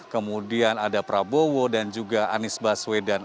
kemudian ada prabowo dan juga anies baswedan